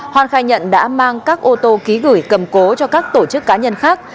hoan khai nhận đã mang các ô tô ký gửi cầm cố cho các tổ chức cá nhân khác